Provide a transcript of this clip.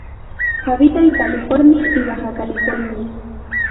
Habita en California y Baja California.